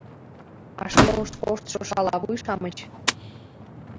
А школыш коштшо шалавуй-шамыч.